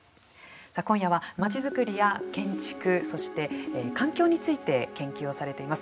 さあ、今夜は、街づくりや建築そして、環境について研究をされています